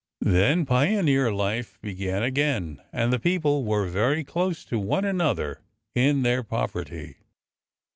Then pioneer life began again, — and the people were very close to one another in their poverty.